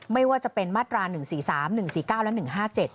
ไม่ว่าจะเป็นมาตรา๑๔๓๑๔๙และ๑๕๗